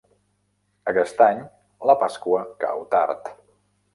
Aquest any la Pasqua cau tard.